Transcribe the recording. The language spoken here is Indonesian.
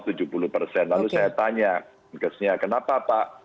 lalu saya tanya kesnya kenapa pak